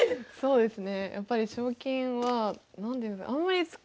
そうですね。